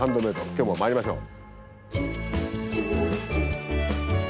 今日もまいりましょう。